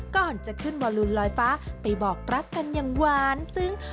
ก่อนจะขึ้นวอลูนลอยฟ้าไปบอกรักกันอย่างหวานซึ้ง